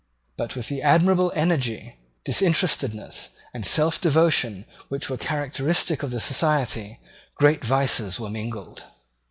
But with the admirable energy, disinterestedness, and self devotion which were characteristic of the Society, great vices were mingled.